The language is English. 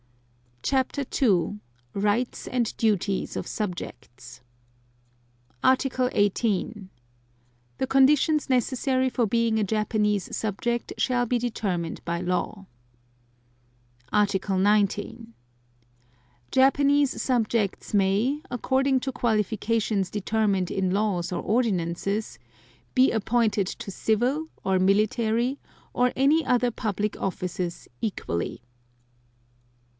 CHAPTER II. RIGHTS AND DUTIES OF SUBJECTS Article 18. The conditions necessary for being a Japanese subject shall be determined by law. Article 19. Japanese subjects may, according to qualifications determined in laws or ordinances, be appointed to civil or military or any other public offices equally.